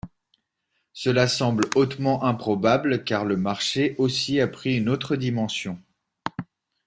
Cela semble hautement improbable, car le marché aussi a pris une autre dimension.